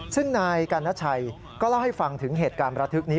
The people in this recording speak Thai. ซึ่งนายกัณชัยก็เล่าให้ฟังถึงเหตุการณ์ประทึกนี้